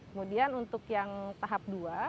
kemudian untuk yang tahap dua